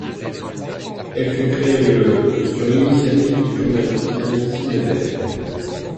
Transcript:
Elle fut créée le sur l'initiative du journaliste Alexis Neuberg.